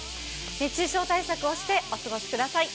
熱中症対策をしてお過ごしください。